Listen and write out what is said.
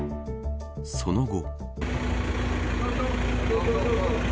その後。